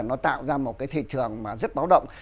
nó tạo ra một cái thị trường mà rất báo động